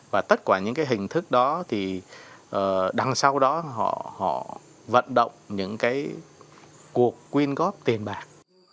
và tất cả những cái hình thức đó thì đằng sau đó họ vận động những cái cuộc quyên góp tiền bạc